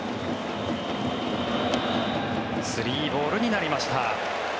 ３ボールになりました。